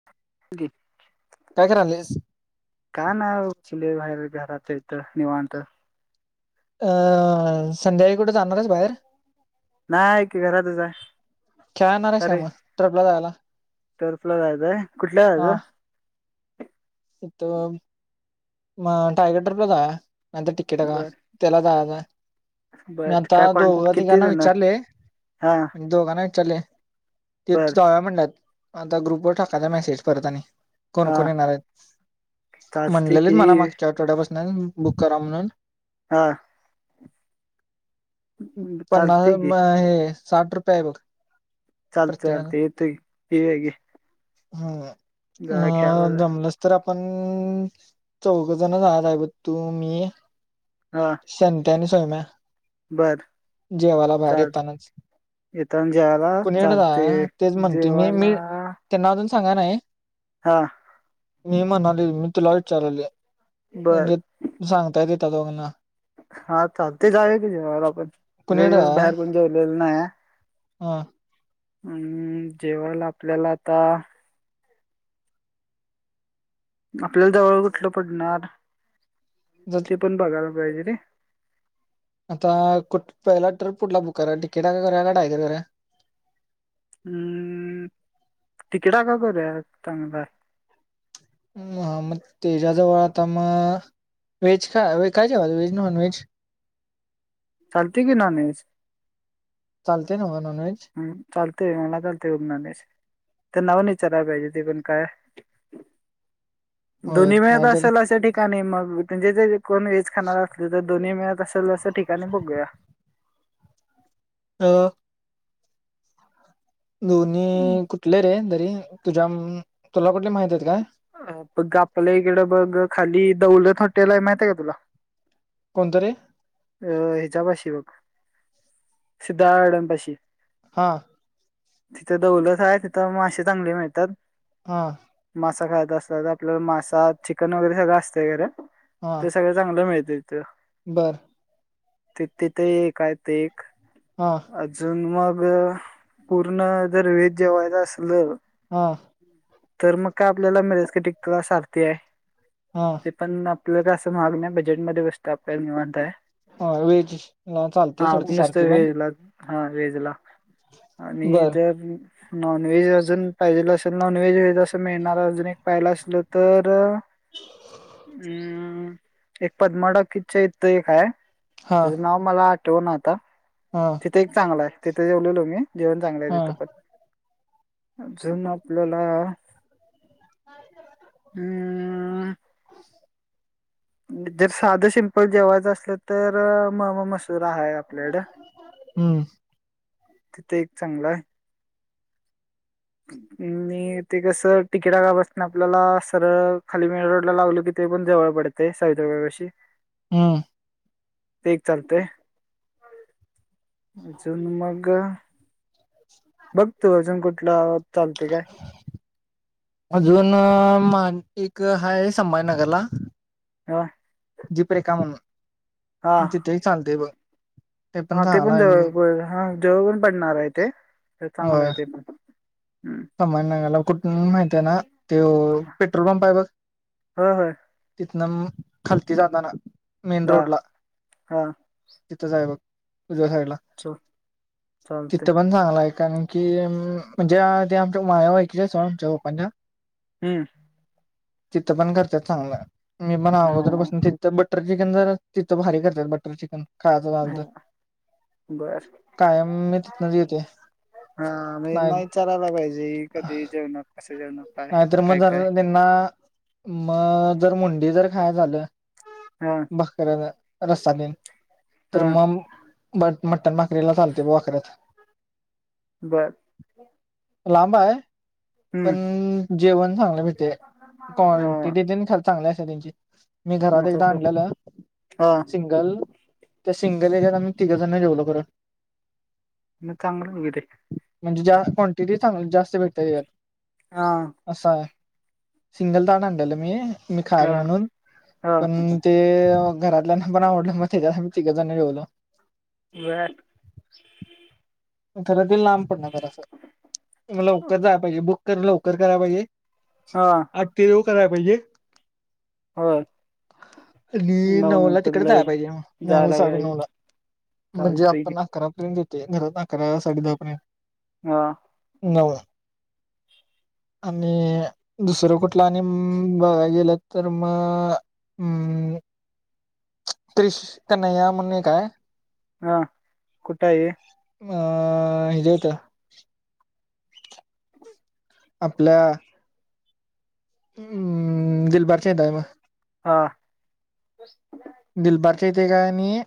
[unintelligible] काय करायलेस. का नाय चिले बाहेर घराचं इथ निवांत. [unintelligible] संध्याकाळी कुट जाणार आहे. नाही कि घरातच हाय. खेळायला येणार आहेस काय अरे मग ट्रपला जायला टर्फला जायचय कुठल्या जायच. उत्तम. म टायगर टरपला जाऊया ना टिकेट का बर तेला जयच हाय? बर मी आता काय कॉन्टॅक्ट दोघा किती तिगाना जण विचारलय? हा दोघांना विचारले ते बर तोया म्हणल्यात आता ग्रुप वर टाकायचा मेसेज आणि परत आणि कोण हा कोण येणार आहेत? चालते ललित की मला मागच्या आठवड्यापासून बुक कराव म्हणून? हा. चालते पन्हाळ्यावर की व हे साठ रुपये आहे बघ. चालतय प्रत्येकाला चालतय येतो की येऊया की. हम्म म जा खेळायला जमलस तर तर आपण चौघजण आहतहेब तू मी हा संंत्या आणि सयम्या बर जेवाला बाहेर चाल येतानाच. येताना जेवायला कुणीकडे चागते जा तेच म्हणते मी जेवाला मी त्यांना अजून सांगा नाई हा मी म्हणलो आली मी तला विचारले बर तू सांताय ति दोघांना हा चाल ते जावे की जे आपण एक कुणीकडे जा दिवस बाहेर कोण जेवलेल नाही. हा अ जेवायला आपल्याला आता आपल्याला जवळ कुठलं पडणार? जर ते पण बघायला पाहिजे रे आता कुठ पहिला ट्रिप कुठला बुक करा टिकिट आहे का करा काडायगर करुया. हम्म तिकडा का करूया चांगलाय हम म त्याज्या जवळ आता मग वेज काय जेवयेच वेज नॉनव्हेज चालतय की नॉनव्हेज चालतेय नव नॉनव्हेज हम् चालतय मला चालतय नॉनव्हेज तर नाव निचारयला पाहिजे ते पण काय होय दोन्ही मिळत नाहीतर असेल अशा ठिकाणी ठिकाणी मग म्हे जे कोण वेज खाणार असल तर दोन्ही मिळत तसं त ठिकाणी बघूया ह दोन्ही कुठले रे तरी तुझ्या तुला कुठले माहित आहेत का? अ बग आपल्या इकडं बघ खाली दौलत हॉटेल आहे माहित्या आहे का तुला? कोणत रे? अ हेज्या पाशी बघ सिद्धा अडणपाशी. हां तिथ दौलत आहे तिथं मासे चांगले मिळतात. हां मासा खात असत तर आपल्या मासा चिकन वगैरे सगळं असतं खर ते सगळ चांगलं मिळतय तीथ. बरं त तिथे काय ते एक हा अजून मग पूर्ण जर वेद जेवायच असलं. हां तर मग काय आपल्याला मिरज क टिक सारथी आहे. हा ते पण आपल्याला काय असं महाग नाही बजेट मध्ये बसतय आपल्याला निवांत आहे. ह वेज ला चालतय हा सोड आपण नुसतं सारथी पण व्हेजला हा वेजला आणि बर जर नॉनव्हेज अजून पाहिजेल असेल नॉनव्हेज व अस मिळणारा अजून एक पहिला असलं तर हम्म एक पदमा टॉकीजच्या इथ एक हाय. हा तेज नाव मला आठवण आता. हा. ते चांगल आहे तिथे जेवलेलो मी जेवण चांगलं आहे हा तिथं पण अजून आपल्याला. ह. हम्म. [unintelligible] जर साधं सिंपल जेवायचं असलं तर मामा मस्त. राहाय आपल्याकड हम्म तिथे एक चांगलं आहे. ते कस तिकिटा का बसत आपल्याला सरळ खाली मेन रोड ला लागल कि. ते पण जवळ पडते सावित वशी. हम्. तेक चालते हे. अजून मग्गा. हा. गतो अजून कुठला आवक चालते काय. अजून माणटिक हा संभाजनगरला. ह. दीप रे का हा म्हण तिथेही चालतय बघ.. हा ते चांगला पण आहे मी जळ हा जवळ पण पडणार आहे ते चांगलं आहे ते पण. हं. समान नागायला कुठून माहती आहे ना ते पेट्रोल पंप आहे बघ. होय होय तिथनं खलती जात ना मेन हा रोड ला. हा तिथंच आहे बघ उद्या साईडला च चालते तिथं पण चांगलाय आणि कि म्हणजे ते आमच्या माया ऐक अस आमच्या पप्पांना. हम. तिथं पण करते चांगलं मी हो अगोदर बसून तिथ. तर बटर चिकन जर तिथं भारी करतात बटर चिकन खायचं झालं हो तर. बर कायम मी तिथनच येते हा म्हणजे नाही. विचारायला पाहिजे कधी जेवण कस जेण नाहीतर मग जर त्यांना मग जर मुंडी जर खाय झालं. हा. बस करना रसाने तर हा म बट मटन भाकरीला चालते ब कवाऱ्यात. बर. लांबा आहे. हम्म पण जेवण चांगलं मिळते हा क्वांटिटी चांगले असते त्यांची मी घरात हो एकदा हो आणलेलं हा सिंग संगल त्या सिंगल एच्या आम्ही तिघजण जेवलो खत म चांगलं म किथ ते. म्हणजे जास् क्वांटिटी चांगली जास्त भेटत यात. हा. असं आहे सिंगल ताट आणलं मी मी खा हा म्हणून हा पण. ते घरातल्याना पण आवडलं मग त्याच्यासाठी मी तिघं जण जेवलो. [unintelligible] खरातील लांब पड ना कराच लवकर जाय पाहिजे बुक कर लवकर कराय पाहिजे. हा. आठ तेरव कराय पाहिजे. होय. आणि नऊ ला नंतर तिकडे जाय लय पाहिजेग नऊ जायला साडे पाहिजे नऊ ला. म्हणजे चालतंय की आपण आकारापर्यंत देतेय घरात आकारा साडे दाहा पर्यंत. हा, नव, आणि दुसरं कुठलं आणि बघ गेलं तर म. हम्म, क्रिष तनया म्हणून एक हाय. हा, कुठा आहे. [unintelligible] हेजेता आपल्या. हम्म, दिलभरचेताय म. हा, दिलबारच्या येते का आणि अ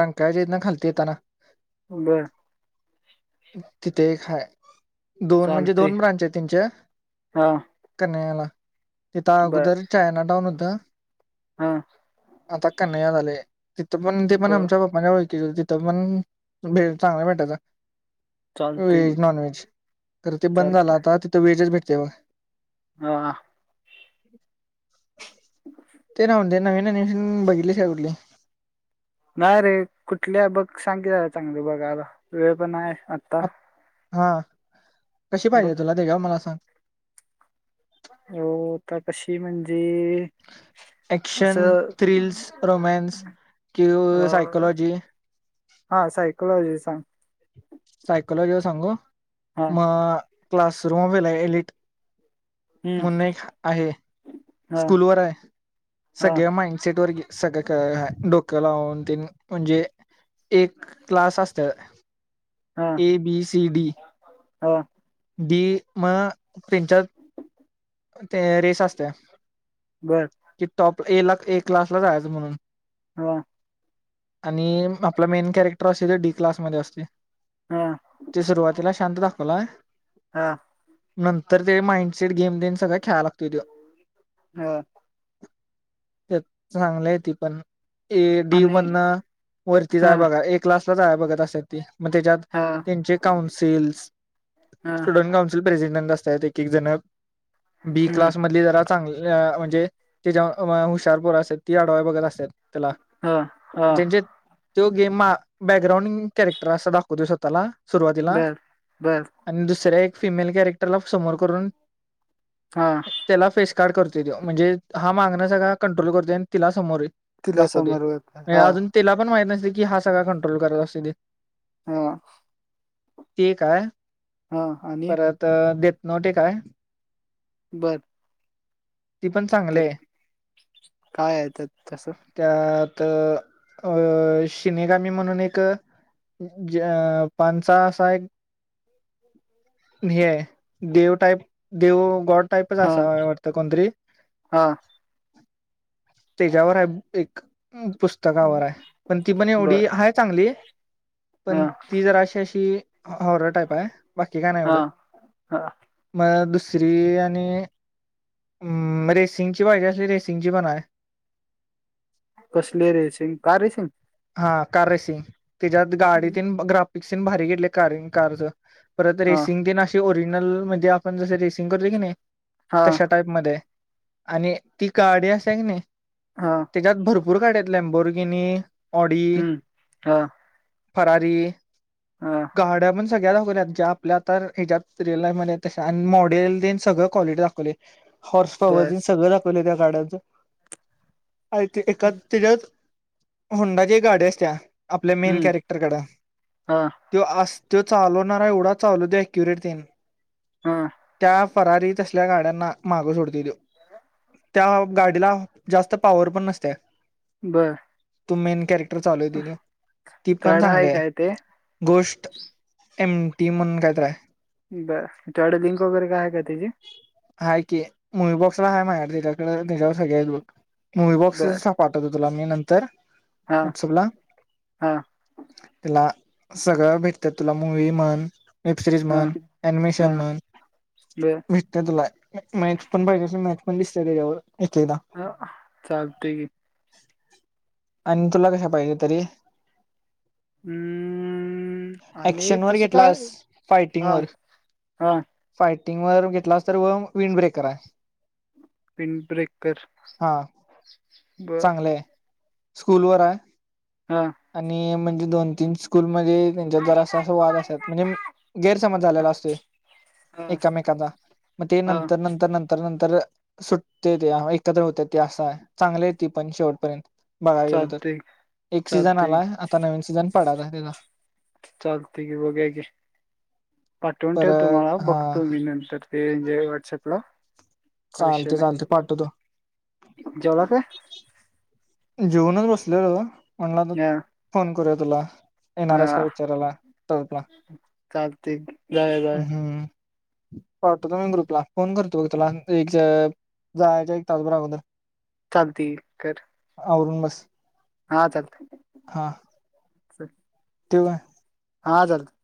रंकायच्या येत ना खालती येतना. बरं. तिथे एक हाय दोन म्हणजे चालतंय दोन ब्रांच आहे तच्या. हा कन्हैयाला तिथं बर अगोदर चायना टाउऊन होतं. हा आता कनया झाले तिथं पण ते पण बर आमच्या बा''--'' म्हणजे ओळखीचे तिथं पण भेळ भेट चांगला भेटायच चालतंय व्हेज नॉन तर ते बंद झालं चालतंय आता तिथं व्हेजच भेटते बघ. ह हा, ते रावून दे नवीन ह्यन बघितली काय कुठले. नाही रे कुठली बघ सांगित चांगली बघ आला वेळ पण नाय आन. हा कशी बघ पाहिजे तुला तेगेव मला सांग. येऊ का कशी म्हणजे. क्शन असं थ्रिल्स रोमॅन्स किं सायकॉलॉजी. ''हां'' सायकलॉजीचा. सायकलॉजी सांगू हा मग क्लासरूमेला एिट. हम्म मुनेक आहे. हा स्कूल वर आहे हा सगळ्या माइंडसेट वर घे. सगळं हाय डोकं लावून तीन म्हणजे एक क्लास असत. ए बी सी डी, हो, डी म त्यांच्यात. ते रेस असत्या. बरं. कि, टॉप ला एक क्लासला जायचं म्हणून. होय, आणि आपला मेन कॅरेक्टर असे ते डी क्लासमध्ये असते. हा ते सुरुवातीला शांत दाखवलाय. हा, नंतर ते माइंडसेट गेम देन सगळं खेळा लागत ते. हा त्यात चांगलं आहे ती पण ए डी आणि वनना वरती जा हा आहे बघा एक क्लासलाच आहे बघा असतात. मग त्याच्यात हा त्यांचे काउन्सिल्स- हा स्टुडंट काउन्सिल प्रेसिडेंट असतात, एक एक जण बी हम्म क्लास मधली जरा- चांगल्या म्हणजे ते जेवा अ वा हुशारपोर असतात ती आडवाय बघत असतात. त्याला हा हा त्याचे- तो गेम आ बॅकग्राउंड कॅरक्टर असा दाखवत आहे स्वतःला. सुरुवातीला बर बर आणि दुसऱ्या एक फिमेल कॅरेक्टरला समोर करून- हा त्याला फेसकार्ड करतोय तो म्हणजे हा मागण त्याला कंट्रोल करते आणि तिला समोर य- तिला समर्पक दाखवतय हा अजून तिला पण माहित नसेल की हा सगळा कंट्रोल करत असतोय ते हा ते काय- हा- आणि परत डेट नॉट एक आहे. बरं- ती पण चांगली आहे. काय आहे त्यात तसं त्यात अ शिनेगामी म्हणून एक- जपानचा असा एक- [inaudible] हे आहे, देव टाईप देव, गॉड - टाईपच हा असा वाटत कोणतरी- हा त्याच्यावर आहे एक पुस्त - पुस्तकावर आहे पण ती पण एवढी बर हाय चांगली पण हा ती जरा अशी अशी- हॉरर टाईप आहे बाकी काय नाही हा एवढं हा मग दुसरी आणि - मग रेसिंगची पाहिजे असली रेसिंगची पण हाय - कसले रेसिंग? Car racing. हा कार रेसिंग त्याच्यात गाडी तेन ग्राफिकस भारी घेतले कार कारच - परत हा रेसिंग तेन अशी ओरिजनल म्हणजे आपण जस रेसिंग करतो की नाही हा तशा टाईप मधे आणि ती गाडी असत्या की नाही - हा त्यात भरपूर गाड्या आहेत लेंबोरगिनी, ऑडी, हम्म हा फेरारी हां - गाड्या पण सगळ्या दाखवत्यात. जे आपल्या आता ह्याच्यात रिअल लाईफ मध्ये तशा आणि मॉडेल तेन सगळं क्वालिटी दाखवलय. हॉर्स पॉवर बर ते सगळं दाखवलं त्या गाड्याचं [unintelligible] तेच्यात होंडाची गाडी असत्या. आपल्या मेन हम्म कॅरेक्टरकड हा तो असतोय चालवणार आहे एवढा चालवतय अक्युरेट तेन हा त्या फरारी तसल्या गाड्यांना मागं सोडतोय त्यो त्या गाडीला जास्त पॉवर पण नसत्या. बरं- तो मेन कॅरेक्टर चालवतंय त्यों ती पण तड चांगली आहे. काय ते गोष्ट एमटी म्हणून काय तर आहे. बर तुझ्याकडं लिंक वगैरे काय आहे काय त्याची? हाय की मुवी बॉक्सला आहे माझ्याकड त्याच्याकडे त्याच्यावर सगळ्या आहेत बघ मुवी बॉक्स बर पाठवतो तुला मी नंतर हा वॉट्सअपला. हा तुला सगळं भेटत तुला मूवी म्हण वेब सिरीज हा म्हण, हा अनिमेशन म्हण बर भेटत तुला मॅच पण पाहिजे असल मॅच पण दिसते त्याच्यावर एकेकदा. ह चालतय की, आणि तुला कशा पाहिजे तरी हम्म आणि ॲक्शनवर तसं काय घेतलास हा फायटिंगवर हा फायटिंग वर घेतलास तर मग विंड ब्रेकर आहे. विंग ब्रेकर, हा बरं चांगलं आहे स्कूल वर हाय. हा. आणि म्हणजे दोन-तीन स्कूलमध्ये त्यांच्यात जरास अस वाद असत्यात म्हणजे गैरसमज झालेला असतोय हा एककामेकाचा मग ते हा नंतर नंतर नंतर नंतर सुटतय ते एकत्र होते ते असा आहे. चांगले आहे ती पण शेवटपर्यंत बघायला गेलो तर, चालतय एक सीझन चालतय आलाय आता नवीन सीझन पडलाय त्याचा. चालतय की बघूया की पाठवून ठेव तु मला परत हा बघतो मी नंतर ते जे आहे व्हॉट्सअपला. काय विषय चालतय नाही चालतय पाठवतो. जेवला काय जेऊनच बसलेलो मग म्हणला तर हा, फोन करूया तुला, येणार आहेस काय विचारायला टर्फला. कार्तिक हम् पाठवतो मी ग्रुपला फोन करतो तुला एक जायच्या एक तास भर अगोदर. चालतंय की कर. आवरून बस. हा चालतय. हा. ठेऊ काय? हा चालतय.